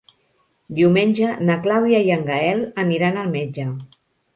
Diumenge na Clàudia i en Gaël aniran al metge.